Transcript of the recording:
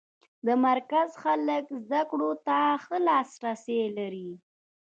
د مرکز خلک زده کړو ته ښه لاس رسی لري.